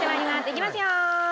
いきますよ。